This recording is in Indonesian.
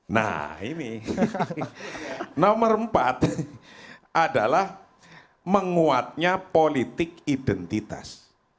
nah ini nomor empat adalah menguatnya politik identitas